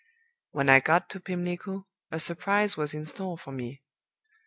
"When I got to Pimlico, a surprise was in store for we.